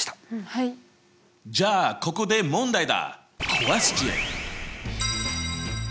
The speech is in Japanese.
じゃあここで問題だ！